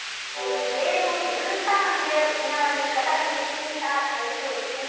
異例のＵターンで沖縄に再び接近した台風６号。